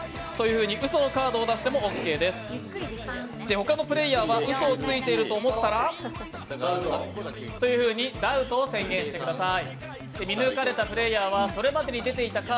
他のプレーヤーはうそをついていると思ったらダウトを宣言してください。